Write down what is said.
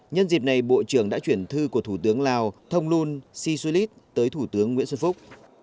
nhân dịp này bộ trưởng đã chuyển thư của thủ tướng lào thông luân si su lít tới thủ tướng nguyễn xuân phúc